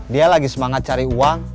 dia lagi semangat cari uang